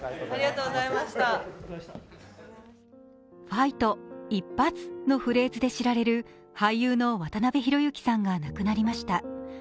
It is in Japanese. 「ファイト！一発！」のフレーズで知られる俳優の渡辺裕之さんが亡くなりました。